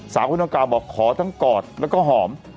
สาวคุณต้องการบอกขอทั้งกอดแล้วก็หอม